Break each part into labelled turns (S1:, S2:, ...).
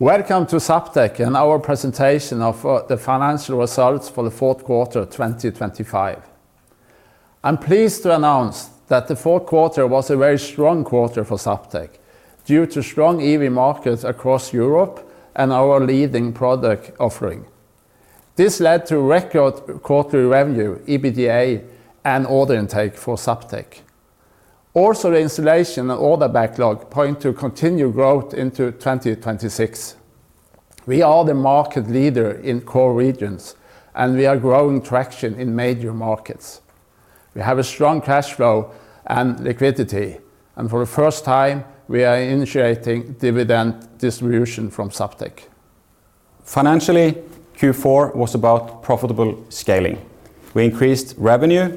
S1: Welcome to Zaptec and our presentation of the financial results for the fourth quarter of 2025. I'm pleased to announce that the fourth quarter was a very strong quarter for Zaptec, due to strong EV markets across Europe and our leading product offering. This led to record quarterly revenue, EBITDA, and order intake for Zaptec. Also, the installation and order backlog point to continued growth into 2026. We are the market leader in core regions, and we are growing traction in major markets. We have a strong cash flow and liquidity, and for the first time, we are initiating dividend distribution from Zaptec.
S2: Financially, Q4 was about profitable scaling. We increased revenue,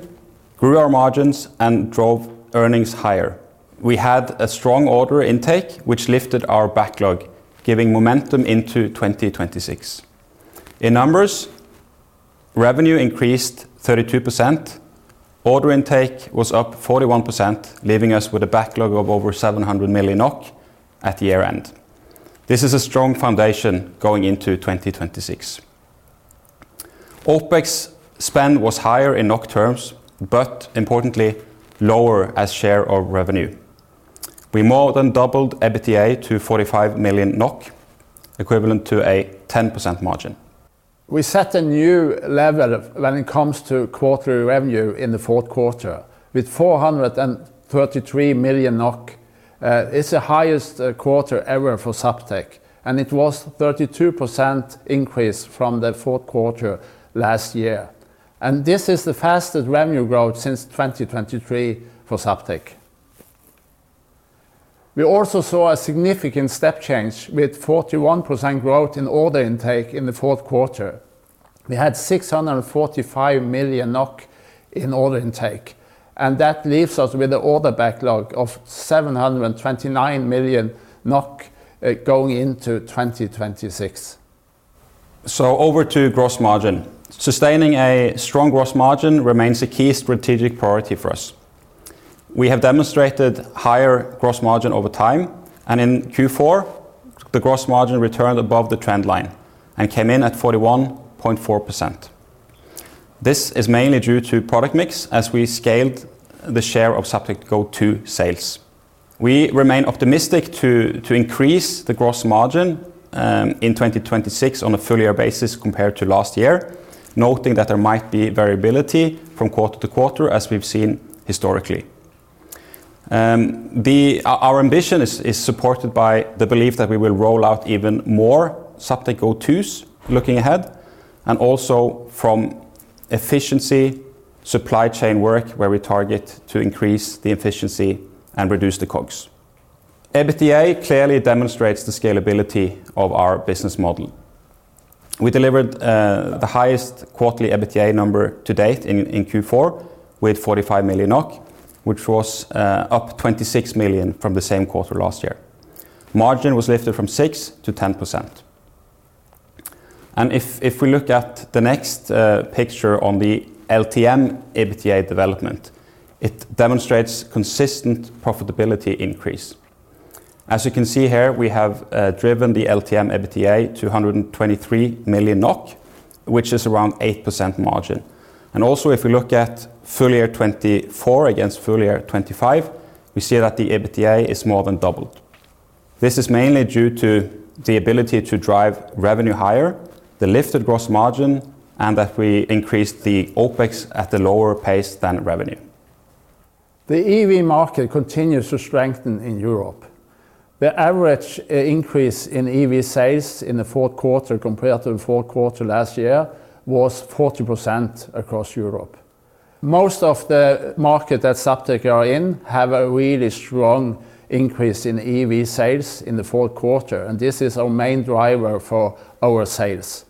S2: grew our margins, and drove earnings higher. We had a strong order intake, which lifted our backlog, giving momentum into 2026. In numbers, revenue increased 32%, order intake was up 41%, leaving us with a backlog of over 700 million NOK at year-end. This is a strong foundation going into 2026. OPEX spend was higher in NOK terms, but importantly, lower as share of revenue. We more than doubled EBITDA to 45 million NOK, equivalent to a 10% margin.
S1: We set a new level when it comes to quarterly revenue in the fourth quarter. With 433 million NOK, it's the highest quarter ever for Zaptec, and it was 32% increase from the fourth quarter last year. This is the fastest revenue growth since 2023 for Zaptec. We also saw a significant step change with 41% growth in order intake in the fourth quarter. We had 645 million NOK in order intake, and that leaves us with an order backlog of 729 million NOK going into 2026.
S2: So over to gross margin. Sustaining a strong gross margin remains a key strategic priority for us. We have demonstrated higher gross margin over time, and in Q4, the gross margin returned above the trend line and came in at 41.4%. This is mainly due to product mix, as we scaled the share of Zaptec Go 2 sales. We remain optimistic to increase the gross margin in 2026 on a full year basis compared to last year, noting that there might be variability from quarter to quarter, as we've seen historically. Our ambition is supported by the belief that we will roll out even more Zaptec Go 2s looking ahead, and also from efficiency, supply chain work, where we target to increase the efficiency and reduce the costs. EBITDA clearly demonstrates the scalability of our business model. We delivered the highest quarterly EBITDA number to date in Q4 with 45 million NOK, which was up 26 million from the same quarter last year. Margin was lifted from 6%-10%. And if we look at the next picture on the LTM EBITDA development, it demonstrates consistent profitability increase. As you can see here, we have driven the LTM EBITDA to 123 million NOK, which is around 8% margin. And also, if we look at full year 2024 against full year 2025, we see that the EBITDA is more than doubled. This is mainly due to the ability to drive revenue higher, the lifted gross margin, and that we increased the OPEX at a lower pace than revenue.
S1: The EV market continues to strengthen in Europe. The average increase in EV sales in the fourth quarter compared to the fourth quarter last year was 40% across Europe. Most of the market that Zaptec are in have a really strong increase in EV sales in the fourth quarter, and this is our main driver for our sales.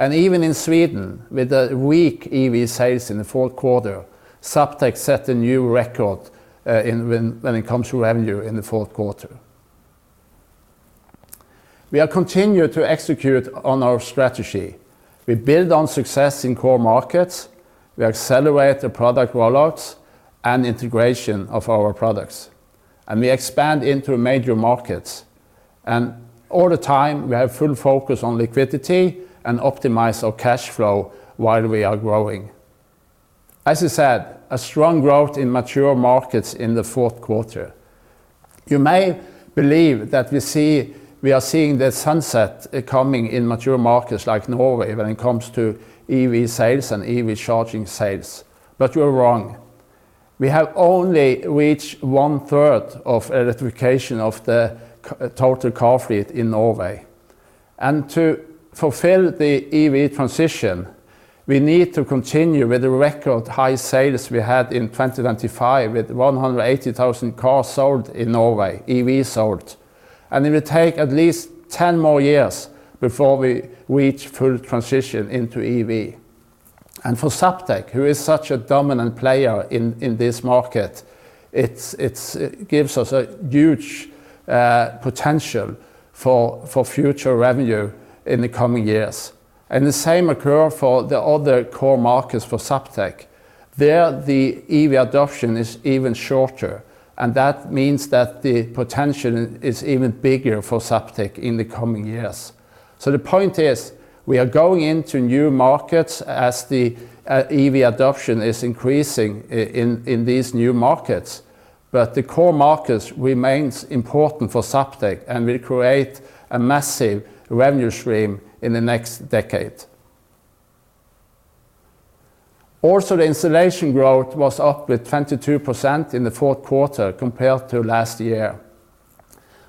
S1: Even in Sweden, with the weak EV sales in the fourth quarter, Zaptec set a new record in when it comes to revenue in the fourth quarter. We are continued to execute on our strategy. We build on success in core markets. We accelerate the product rollouts and integration of our products, and we expand into major markets. All the time, we have full focus on liquidity and optimize our cash flow while we are growing. As I said, a strong growth in mature markets in the fourth quarter. You may believe that we are seeing the sunset coming in mature markets like Norway when it comes to EV sales and EV charging sales, but you're wrong. We have only reached one-third of electrification of the total car fleet in Norway. To fulfill the EV transition, we need to continue with the record high sales we had in 2025, with 180,000 cars sold in Norway, EV sold. It will take at least 10 more years before we reach full transition into EV. For Zaptec, who is such a dominant player in this market, it gives us a huge potential for future revenue in the coming years.... The same occur for the other core markets for Zaptec. There, the EV adoption is even shorter, and that means that the potential is even bigger for Zaptec in the coming years. So the point is, we are going into new markets as the EV adoption is increasing in these new markets, but the core markets remains important for Zaptec and will create a massive revenue stream in the next decade. Also, the installation growth was up with 22% in the fourth quarter compared to last year.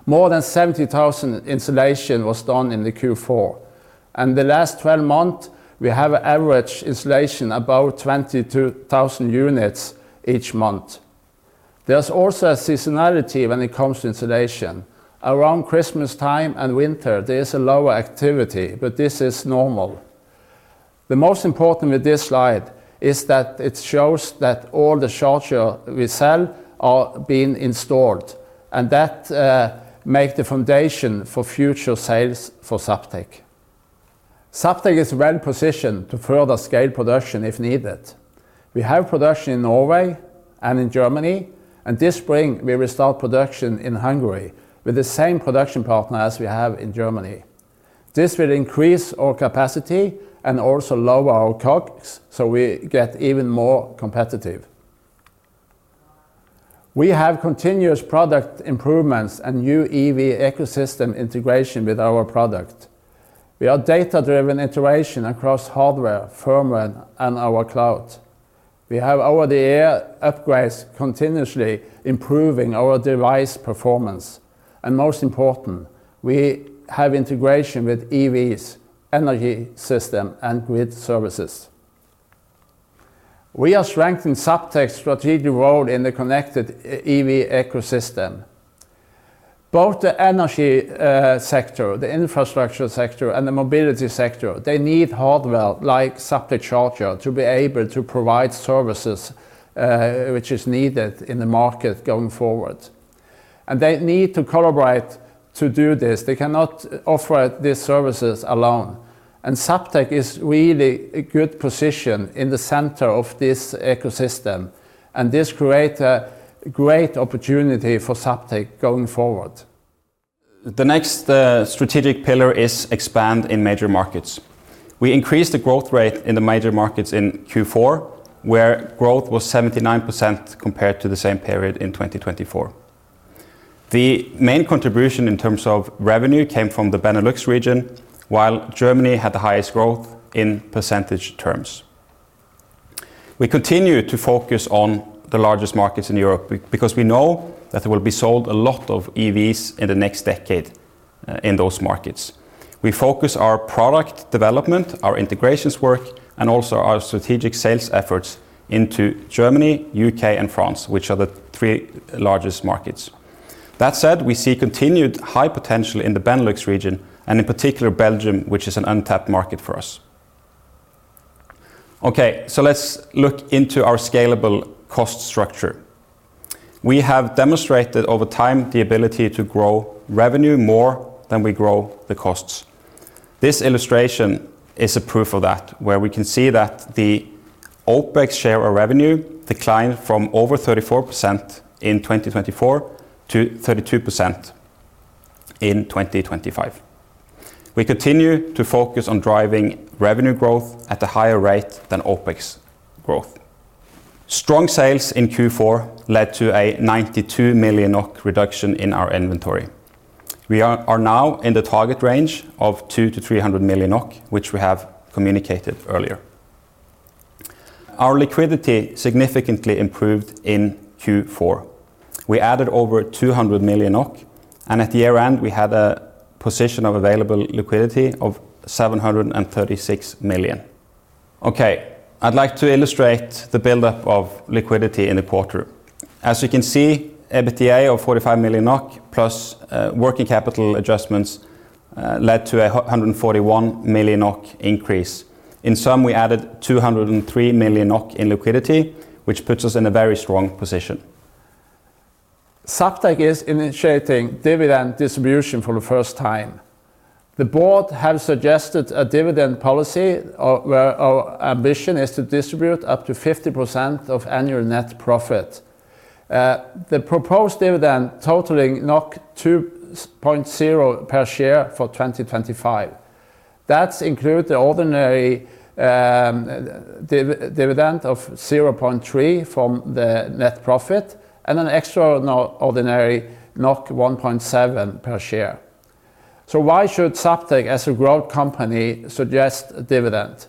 S1: More than 70,000 installation was done in the Q4, and the last twelve months, we have an average installation about 22,000 units each month. There's also a seasonality when it comes to installation. Around Christmas time and winter, there is a lower activity, but this is normal. The most important with this slide is that it shows that all the charger we sell are being installed, and that make the foundation for future sales for Zaptec. Zaptec is well-positioned to further scale production if needed. We have production in Norway and in Germany, and this spring we will start production in Hungary with the same production partner as we have in Germany. This will increase our capacity and also lower our costs, so we get even more competitive. We have continuous product improvements and new EV ecosystem integration with our product. We are data-driven iteration across hardware, firmware, and our cloud. We have over-the-air upgrades, continuously improving our device performance, and most important, we have integration with EVs, energy system, and with services. We are strengthening Zaptec's strategic role in the connected EV ecosystem. Both the energy sector, the infrastructure sector, and the mobility sector, they need hardware like Zaptec charger to be able to provide services, which is needed in the market going forward. And they need to collaborate to do this. They cannot offer these services alone. And Zaptec is really a good position in the center of this ecosystem, and this create a great opportunity for Zaptec going forward.
S2: The next strategic pillar is expand in major markets. We increased the growth rate in the major markets in Q4, where growth was 79% compared to the same period in 2024. The main contribution in terms of revenue came from the Benelux region, while Germany had the highest growth in percentage terms. We continue to focus on the largest markets in Europe because we know that there will be sold a lot of EVs in the next decade in those markets. We focus our product development, our integrations work, and also our strategic sales efforts into Germany, U.K., and France, which are the three largest markets. That said, we see continued high potential in the Benelux region, and in particular Belgium, which is an untapped market for us. Okay, so let's look into our scalable cost structure. We have demonstrated over time the ability to grow revenue more than we grow the costs. This illustration is a proof of that, where we can see that the OPEX share of revenue declined from over 34% in 2024 to 32% in 2025. We continue to focus on driving revenue growth at a higher rate than OPEX growth. Strong sales in Q4 led to a 92 million NOK reduction in our inventory. We are now in the target range of 200-300 million NOK, which we have communicated earlier. Our liquidity significantly improved in Q4. We added over 200 million NOK, and at the year-end, we had a position of available liquidity of 736 million NOK. Okay, I'd like to illustrate the buildup of liquidity in the quarter. As you can see, EBITDA of 45 million NOK plus, working capital adjustments, led to a 141 million NOK increase. In sum, we added 203 million NOK in liquidity, which puts us in a very strong position.
S1: Zaptec is initiating dividend distribution for the first time. The Board have suggested a dividend policy, where our ambition is to distribute up to 50% of annual net profit. The proposed dividend totaling 2.0 per share for 2025. That's include the ordinary dividend of 0.3 from the net profit and an extraordinary 1.7 per share. So why should Zaptec, as a growth company, suggest a dividend?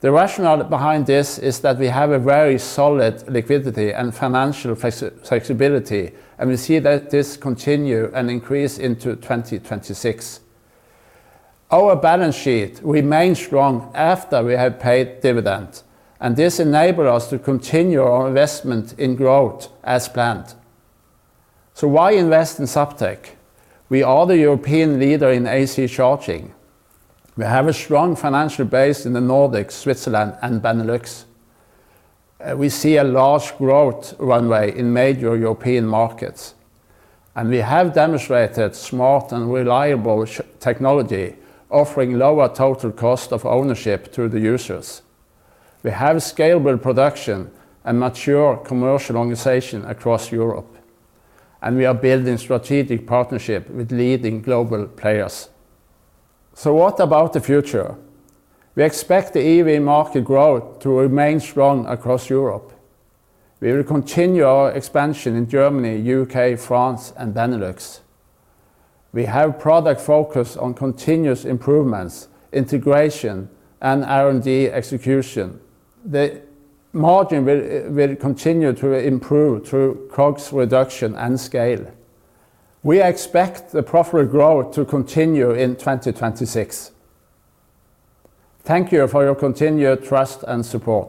S1: The rationale behind this is that we have a very solid liquidity and financial flexibility, and we see that this continue and increase into 2026. Our balance sheet remains strong after we have paid dividend, and this enable us to continue our investment in growth as planned. So why invest in Zaptec? We are the European leader in AC charging. We have a strong financial base in the Nordics, Switzerland, and Benelux. We see a large growth runway in major European markets, and we have demonstrated smart and reliable technology, offering lower total cost of ownership to the users. We have scalable production and mature commercial organization across Europe, and we are building strategic partnership with leading global players. So what about the future? We expect the EV market growth to remain strong across Europe. We will continue our expansion in Germany, UK, France, and Benelux. We have product focus on continuous improvements, integration, and R&D execution. The margin will continue to improve through costs reduction and scale. We expect the profit growth to continue in 2026. Thank you for your continued trust and support.